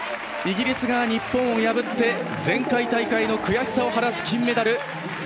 イギリスが日本を破って前回大会の悔しさを晴らす金メダル。